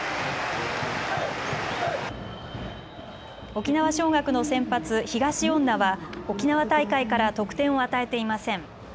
沖縄尚学の先発、東恩納は沖縄大会から得点を与えていません。